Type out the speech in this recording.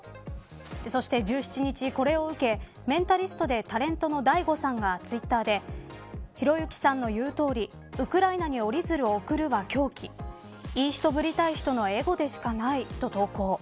そして１７日、これを受けメンタリストでタレントのＤａｉＧｏさんがツイッターでひろゆきさんの言うとおりウクライナに折り鶴を送るは狂気いい人ぶりたい人のエゴでしかない、と投稿。